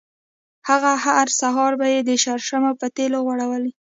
هغه هر سهار به یې د شرشمو په تېلو غوړولې.